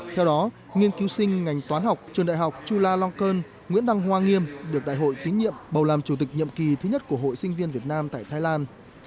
theo đó nghiên cứu sinh ngành toán học trường đại học chula long cơn nguyễn đăng hoa nghiêm được đại hội tín nhiệm bầu làm chủ tịch nhiệm kỳ thứ nhất của hội sinh viên việt nam tại thái lan